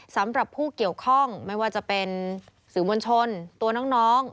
สำหรับผู้เกี่ยวข้องไม่ว่าจะเป็นสื่อมวลชนตัวน้อง